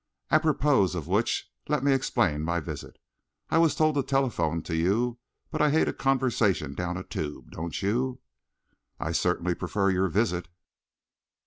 "Apropos of which, let me explain my visit. I was told to telephone to you, but I hate a conversation down a tube, don't you?" "I certainly prefer your visit."